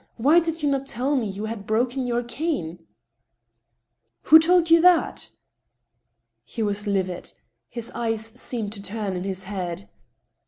... Why did you not tell me you had broken your cane ?"« Who toW you that ?" He was livid. His eyes seemed to turn in his head.